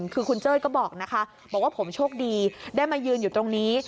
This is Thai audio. คือคุณเจ้ยก็บอกนะคะบอกว่าผมโชคดีได้มายืนอยู่ตรงนี้